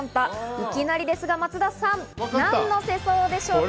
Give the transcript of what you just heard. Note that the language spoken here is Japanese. いきなりですが、松田さん、何の世相でしょうか。